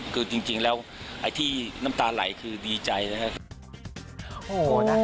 คือจริงแล้วไอ้ที่น้ำตาไหลคือดีใจนะครับ